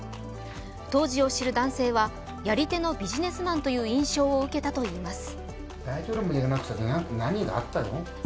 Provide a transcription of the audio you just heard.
当時を知る男性はやり手のビジネスマンという印象を受けたといいます。